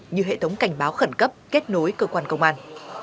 như hệ thống cảnh báo khẩn cấp kết nối cơ quan công an